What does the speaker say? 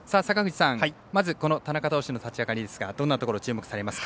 まず田中投手の立ち上がりですがどんなところを注目されますか？